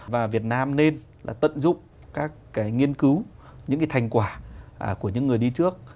và việt nam nên tận dụng các nghiên cứu những thành quả của những người đi trước